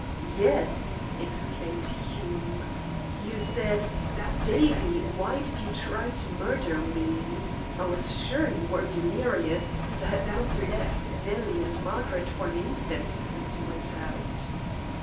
"Yes," exclaimed Hume. "You said: 'Davie, why did you try to murder me?' I was sure you were delirious, as I had not left Nellie and Margaret for an instant since you went out."